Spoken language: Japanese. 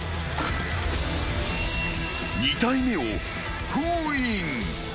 ［２体目を封印］